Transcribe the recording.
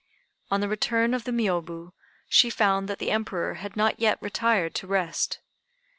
On the return of the Miôbu she found that the Emperor had not yet retired to rest.